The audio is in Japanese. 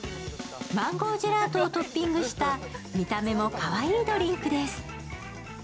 マンゴージェラートをトッピングした見た目もかわいいドリンクです。